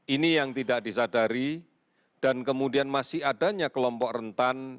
ini yang tidak disadari dan kemudian masih adanya kelompok rentan